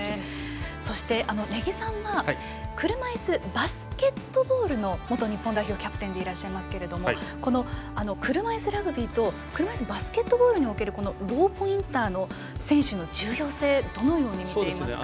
そして、根木さんは車いすバスケットボールの元日本代表キャプテンでいらっしゃいますけどこの車いすラグビーと車いすバスケットボールにおけるローポインターの選手の重要性をどのように見ていますか。